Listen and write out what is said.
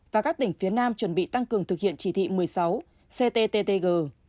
và các tỉnh phía nam chuẩn bị tăng cường thực hiện chỉ thị một mươi sáu cttg